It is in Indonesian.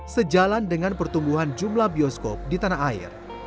sejalan dengan pertumbuhan jumlah bioskop di tanah air